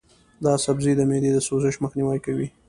دا سبزی د معدې د سوزش مخنیوی کوي.